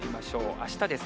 あしたです。